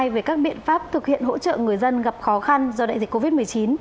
về các biện pháp thực hiện hỗ trợ người dân gặp khó khăn do đại dịch covid một mươi chín